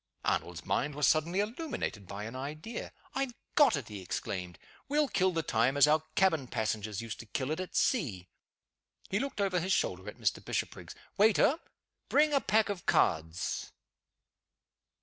Arnold's mind was suddenly illuminated by an idea. "I have got it!" he exclaimed. "We'll kill the time as our cabin passengers used to kill it at sea." He looked over his shoulder at Mr. Bishopriggs. "Waiter! bring a pack of cards."